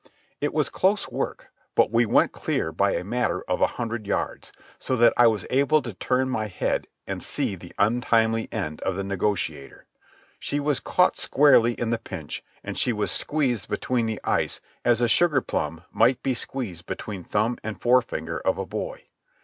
It was close work, but we went clear by a matter of a hundred yards, so that I was able to turn my head and see the untimely end of the Negociator. She was caught squarely in the pinch and she was squeezed between the ice as a sugar plum might be squeezed between thumb and forefinger of a boy.